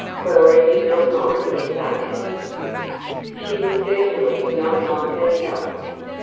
Cora did not mind the sarcasm. She was certainly not like herself.